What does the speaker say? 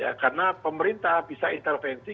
ya karena pemerintah bisa intervensi